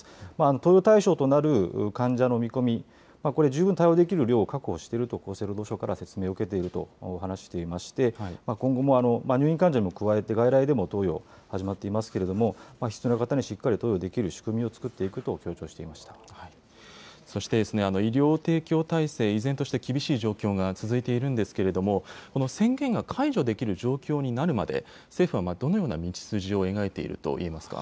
投与対象となる患者の見込み、これ、十分対応できる量を確保していると、厚生労働省から説明を受けていると話していまして、今後も入院患者も加えて外来でも投与始まっていますけれども、必要な方にしっかり投与できる仕組みを作っていくと強調していまそして医療提供体制、依然として厳しい状況が続いているんですけれども、この宣言が解除できる状況になるまで、政府はどのような道筋を描いているといえますか。